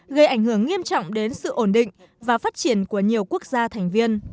gây ảnh hưởng nghiêm trọng đến sự ổn định và phát triển của nhiều quốc gia thành viên